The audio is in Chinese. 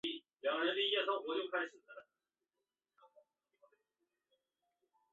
参赛球队为拉脱维亚超级足球联赛冠军和拉脱维亚杯冠军。